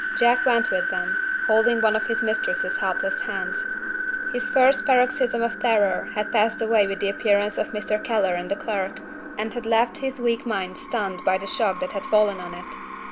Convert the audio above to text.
Jack went with them, holding one of his mistress's helpless hands. His first paroxysm of terror had passed away with the appearance of Mr. Keller and the clerk, and had left his weak mind stunned by the shock that had fallen on it.